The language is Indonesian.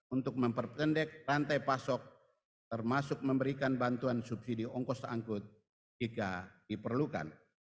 untuk memperpendek rantai pasok termasuk memberikan bantuan subsidi ongkos angkut jika diperlukan